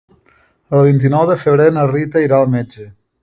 El vint-i-nou de febrer na Rita irà al metge.